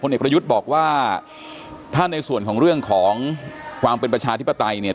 เอกประยุทธ์บอกว่าถ้าในส่วนของเรื่องของความเป็นประชาธิปไตยเนี่ย